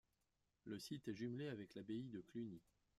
Le site est jumelé avec l'Abbaye de Cluny.